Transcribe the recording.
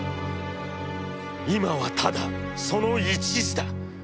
いまはただその一事だ。